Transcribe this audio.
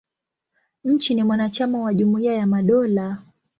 Nchi ni mwanachama wa Jumuia ya Madola.